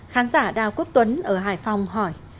khán giả đào quốc tuấn ở hải phòng hỏi